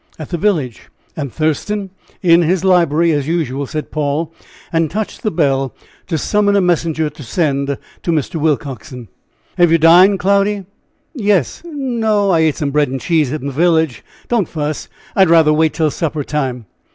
"At the village." "And Thurston?" "In his library, as usual," said Paul, and touched the bell to summon a messenger to send to Mr. Willcoxen. "Have you dined, Cloudy?" "Yes, no I ate some bread and cheese at the village; don't fuss; I'd rather wait till supper time."